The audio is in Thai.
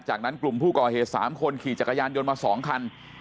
จากนั้นกลุ่มผู้ก่อเหตุ๓คนขี่จักรยานยนต์มา๒คัน